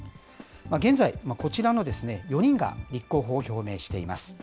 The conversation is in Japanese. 現在、こちらの４人が立候補を表明しています。